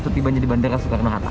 setibanya di bandara soekarno hatta